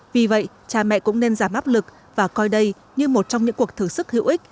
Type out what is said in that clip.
vì vậy cha mẹ cũng nên giảm áp lực và coi đây như một trong những cuộc thử sức hữu ích